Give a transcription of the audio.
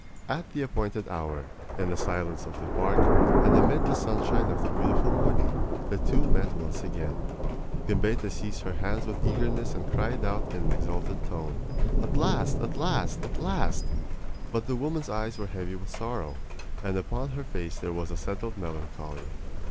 At the appointed hour, in the silence of the park and amid the sunshine of the beautiful morning, the two met once again. Gambetta seized her hands with eagerness and cried out in an exultant tone: "At last! At last! At last!" But the woman's eyes were heavy with sorrow, and upon her face there was a settled melancholy.